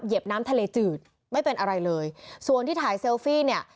น้ำทะเลจืดไม่เป็นอะไรเลยส่วนที่ถ่ายเซลฟี่เนี่ย